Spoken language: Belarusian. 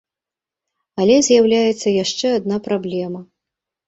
Але з'яўляецца яшчэ адна праблема.